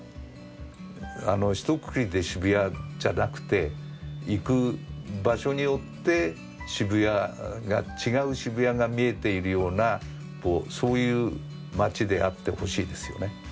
ひとくくりで渋谷じゃなくて行く場所によって渋谷が違う渋谷が見えているようなそういう街であってほしいですよね。